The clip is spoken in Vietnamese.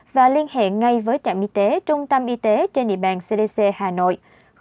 và liên hệ ngay với trạm y tế trung tâm y tế trên địa bàn cdc hà nội